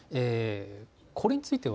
これについては？